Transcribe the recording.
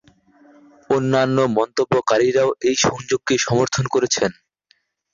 অন্যান্য মন্তব্যকারীরাও এই সংযোগকে সমর্থন করেছেন।